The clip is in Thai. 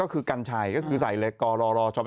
เขาได้ชื่อตัวเองจะนะ